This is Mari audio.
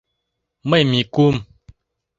Мый Микум...